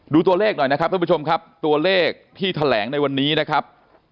ตัวเลขหน่อยนะครับท่านผู้ชมครับตัวเลขที่แถลงในวันนี้นะครับ